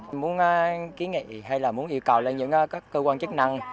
mình muốn ký nghị hay là muốn yêu cầu lên những cơ quan chức năng